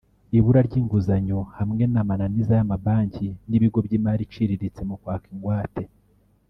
Ibura ry’inguzanyo hamwe n’amananiza y’amabanki n’ibigo by’imari iciriritse mu kwaka ingwate